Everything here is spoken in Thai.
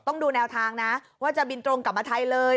ต้องดูแนวทางนะว่าจะบินตรงกลับมาไทยเลย